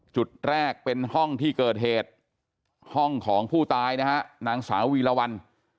จุดแรกเป็นห้องที่เกิดเหตุห้องของผู้ตายนะฮะนางสาววีรวรรณ